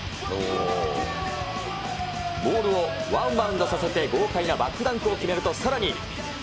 ボールをワンバウンドさせて豪快なバックダンクを決めると、さらに。